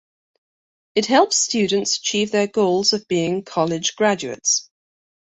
It helps students achieve their goals of being college graduates.